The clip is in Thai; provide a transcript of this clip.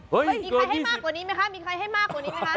เฮ้ยมีใครให้มากกว่านี้ไหมคะ